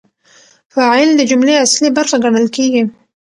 فاعل د جملې اصلي برخه ګڼل کیږي.